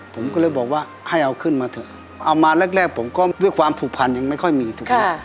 ผมก็เลยบอกว่าให้เอาขึ้นมาเถอะเอามาแรกแรกผมก็ด้วยความผูกพันยังไม่ค่อยมีถูกไหม